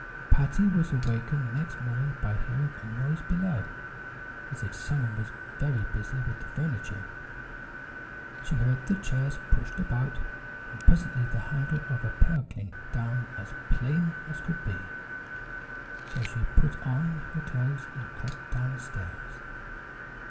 Patty was awakened next morning by hearing a noise below, as if someone was very busy with the furniture. She heard the chairs pushed about, and presently the handle of a pail klink down as plain as could be. So she put on her clothes and crept down stairs.